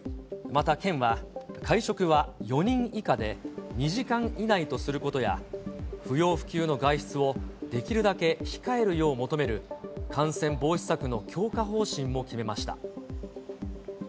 また県は、会食は４人以下で２時間以内とすることや、不要不急の外出をできるだけ控えるよう求める感染防止策の強化方針も決めました。